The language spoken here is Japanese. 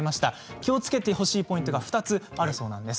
気をつけてほしいポイントが２つあるそうです。